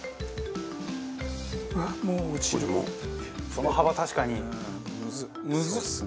その幅確かに。